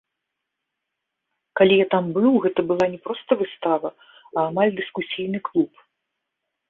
Калі я там быў, гэта была не проста выстава, а амаль дыскусійны клуб.